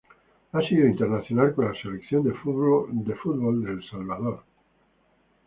Ha sido internacional con la Selección de fútbol de El Salvador.